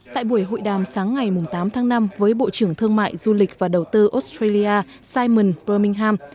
tại buổi hội đàm sáng ngày tám tháng năm với bộ trưởng thương mại du lịch và đầu tư australia simon promingham